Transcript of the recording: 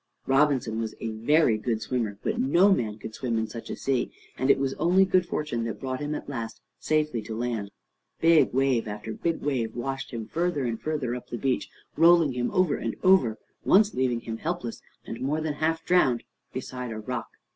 Robinson was a very good swimmer, but no man could swim in such a sea, and it was only good fortune that brought him at last safely to land. Big wave after big wave washed him further and further up the beach, rolling him over and over, once leaving him helpless, and more than half drowned, beside a rock.